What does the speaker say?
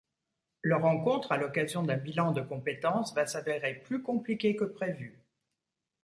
Leur rencontre, à l'occasion d'un bilan de compétences, va s'avérer plus compliquée que prévu.